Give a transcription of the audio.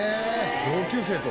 同級生と。